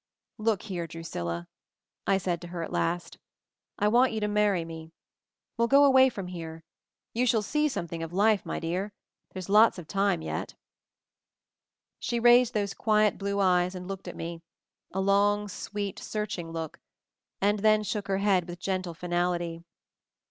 "Look here, Drusilla," I said to her at last, "I want you to marry me. We'll go away from here; you shall see something of life, my dear — there's lot of time yet." She raised those quiet blue eyes and looked at me, a long, sweet, searching look, and then shook her head with gentle finality.